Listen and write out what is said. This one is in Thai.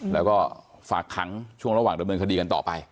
แล้วก็ฝากขังช่วงระหว่างดำเนินคดีกันต่อไป